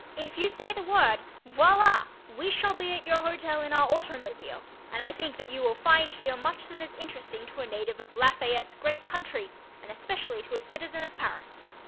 If you say the word, voila! we shall be at your hotel in our automobile and I think that you will find here much that is interesting to a native of Lafayette's great country and especially to a citizen of Paris.